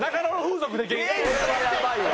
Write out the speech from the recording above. それはやばいわ。